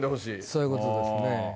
そういうことですね